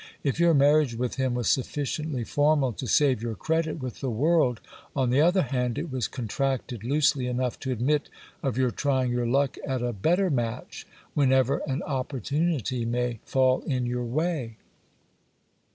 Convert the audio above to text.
If your marriage with him was sufficiently formal to save your credit with the world, on the other hand, it was contracted loosely enough to admit of your trying your luck at a better match, whenever an opportunity may fall in your way.